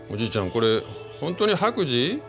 これ本当に白磁？